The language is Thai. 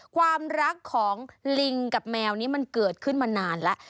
ความรักของลิงกับแมวนี้มันเกิดขึ้นมานานแล้ว